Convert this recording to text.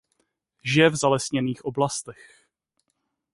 Žije v zalesněných oblastech.